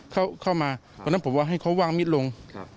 เพราะนั่นเข้ามาขอให้เขาวางมิตรลง